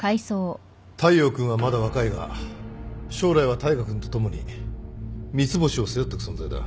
大陽君はまだ若いが将来は大海君と共に三ツ星を背負ってく存在だ